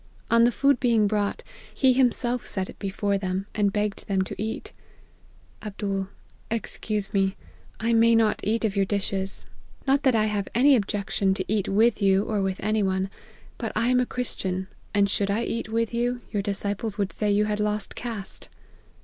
On the food be ing brought, he himself set it before them, and begged them to eat. " Jtbd. ' Excuse me ; I may not eat of your dishes : not that I have any objection to eat with you, or with any one : but I am a Christian ; and should I eat with you, your disciples would say you had lost caste.'